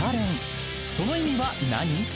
［その意味は何？